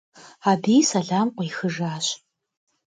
Abı selam khuixıjjaş.